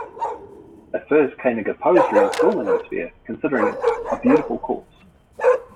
At first, Koenig opposed reinstalling "The Sphere," considering it "a beautiful corpse.